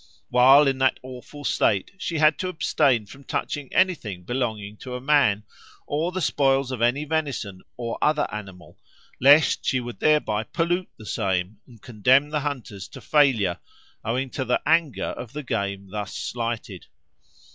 While in that awful state, she had to abstain from touching anything belonging to man, or the spoils of any venison or other animal, lest she would thereby pollute the same, and condemn the hunters to failure, owing to the anger of the game thus slighted.